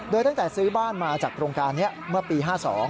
โดยตั้งแต่ซื้อบ้านมาจากโครงการนี้เมื่อปี๕๒